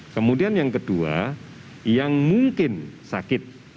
kemudian yang kedua yang mungkin sakit